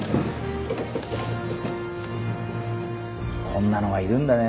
こんなのがいるんだね。